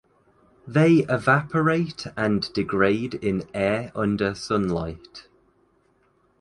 They evaporate and degrade in air under sunlight.